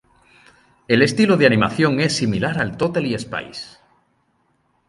El estilo de animación es similar a Totally Spies!